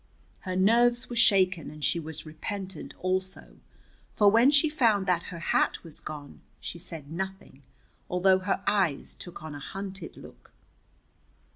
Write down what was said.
Her nerves were shaken and she was repentant also, for when she found that her hat was gone she said nothing, although her eyes took on a hunted look.